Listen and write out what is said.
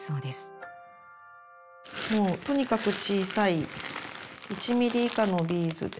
もうとにかく小さい１ミリ以下のビーズです。